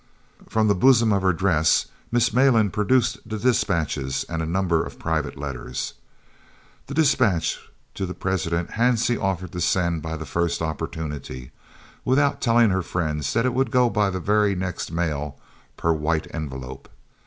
From the bosom of her dress Miss Malan produced the dispatches and a number of private letters. The dispatch to the President Hansie offered to send by the first opportunity, without telling her friends that it would go by the very next mail per White Envelope.